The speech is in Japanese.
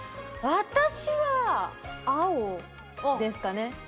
私は、青ですかね。